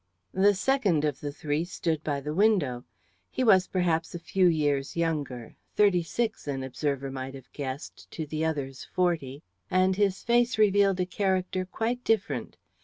The second of the three stood by the window. He was, perhaps, a few years younger, thirty six an observer might have guessed to the other's forty, and his face revealed a character quite different.